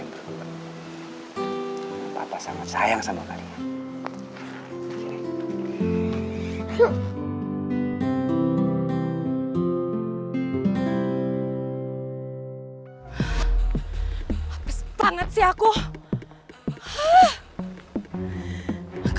itu bener banget sayang